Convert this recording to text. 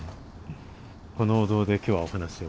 このお堂で今日はお話を。